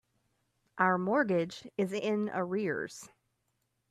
Our mortgage is in arrears.